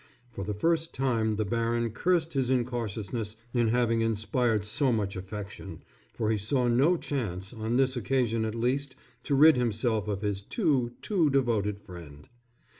For the first time the baron cursed his incautiousness in having inspired so much affection, for he saw no chance, on this occasion at least, to rid himself of his too, too devoted friend.